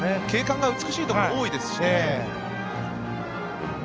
景観が美しいところも多いですしね。